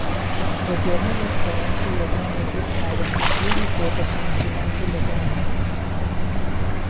The Journal of Financial Econometrics has an exclusive focus on financial econometrics.